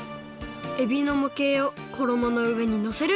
えびのもけいをころものうえにのせる！